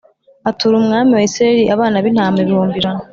Atura umwami wa isirayeli abana b intama ibihumbi ijana